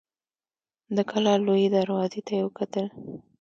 د کلا لويي دروازې ته يې وکتل.